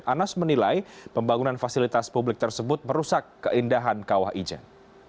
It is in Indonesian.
anas menilai pembangunan fasilitas publik tersebut merusak keindahan kawah ijen